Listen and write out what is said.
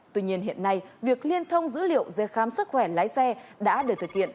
tuy nhiên hiện nay việc liên thông dữ liệu dây khám sức khỏe lái xe đã được thực hiện